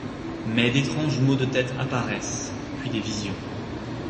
Mais d'étranges maux de tête apparaissent, puis des visions.